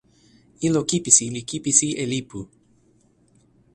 ilo kipisi li kipisi e lipu.